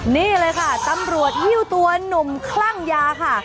นี่เลยค่ะตำรวจหิ้วตัวหนุ่มคลั่งยาค่ะ